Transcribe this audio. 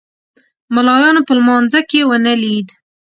ملایانو په لمانځه کې ونه لید.